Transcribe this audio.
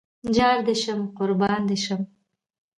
جار دې شم قربان دې شم